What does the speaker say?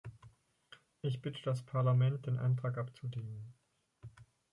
Ich bitte das Parlament, den Antrag abzulehnen.